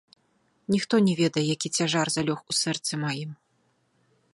Ніхто не ведае, які цяжар залёг у сэрцы маім.